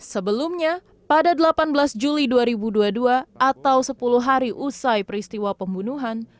sebelumnya pada delapan belas juli dua ribu dua puluh dua atau sepuluh hari usai peristiwa pembunuhan